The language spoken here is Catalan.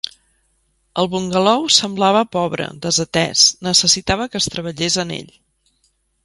El bungalou semblava pobre, desatès, necessitava que es treballés en ell.